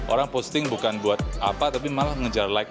orang posting bukan buat apa tapi malah mengejar like